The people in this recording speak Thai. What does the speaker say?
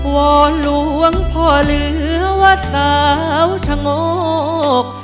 ว่าหลวงพ่อเหลือว่าสาวชะงบ